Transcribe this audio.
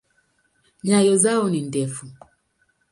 Nyayo zao ni ndefu.